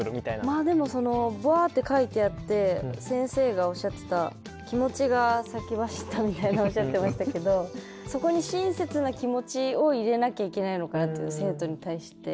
まあでもバーッて書いてあって先生がおっしゃってた気持ちが先走ったみたいなおっしゃってましたけどそこに親切な気持ちを入れなきゃいけないのかなって生徒に対して。